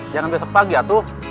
jangan besok pagi ya tuh